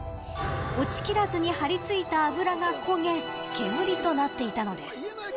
落ち切らずに張り付いた脂が焦げ煙となっていたのです。